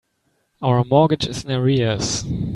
Our mortgage is in arrears.